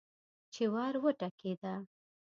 چې ور وټکېده.